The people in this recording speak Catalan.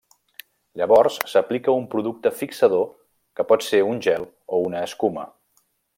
Llavors, s'aplica un producte fixador que pot ser un gel o una escuma.